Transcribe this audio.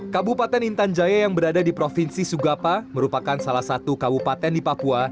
kabupaten intan jaya yang berada di provinsi sugapa merupakan salah satu kabupaten di papua